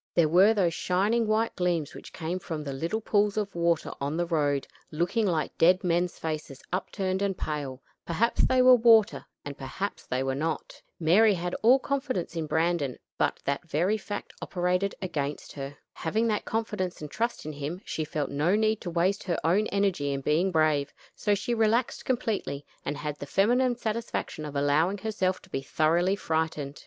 There were those shining white gleams which came from the little pools of water on the road, looking like dead men's faces upturned and pale; perhaps they were water and perhaps they were not. Mary had all confidence in Brandon, but that very fact operated against her. Having that confidence and trust in him, she felt no need to waste her own energy in being brave; so she relaxed completely, and had the feminine satisfaction of allowing herself to be thoroughly frightened.